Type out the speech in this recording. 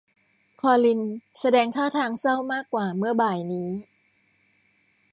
คอลินแสดงท่าทางเศร้ามากกว่าเมื่อบ่ายนี้